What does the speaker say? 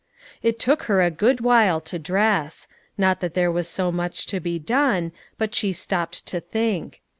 It took her a good while to dress ; not that there was so much to be done, but she stopped to think.